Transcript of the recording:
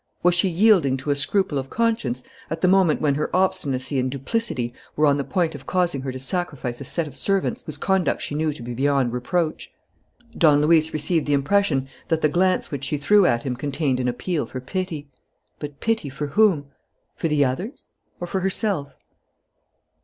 Was she yielding to a scruple of conscience at the moment when her obstinacy and duplicity were on the point of causing her to sacrifice a set of servants whose conduct she knew to be beyond reproach? Don Luis received the impression that the glance which she threw at him contained an appeal for pity. But pity for whom? For the others? Or for herself?